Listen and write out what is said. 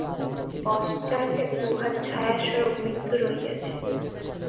জীবনের পশ্চাতে উহার ছায়াস্বরূপ মৃত্যু রহিয়াছে।